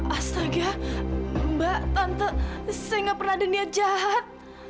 astaga mbak tanto saya gak pernah ada niat jahat